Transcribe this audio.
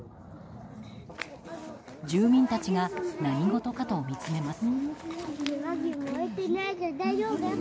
住民たちが何事かと見つめます。